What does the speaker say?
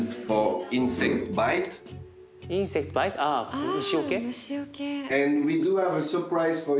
ああ虫よけ。